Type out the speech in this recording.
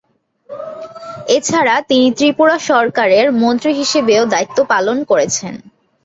এছাড়া, তিনি ত্রিপুরা সরকারের মন্ত্রী হিসেবেও দায়িত্ব পালন করেছেন।